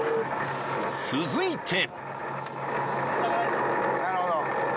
［続いて］